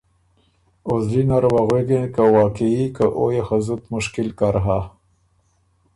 او زلی نره وه غوېکِن که واقعي که او يې خه زُت مشکل کر هۀ۔